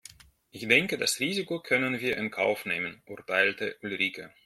Ich denke das Risiko können wir in Kauf nehmen, urteilte Ulrike.